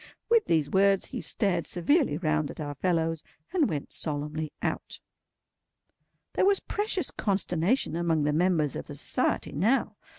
With these words, he stared severely round at our fellows, and went solemnly out. There was precious consternation among the members of the Society, now.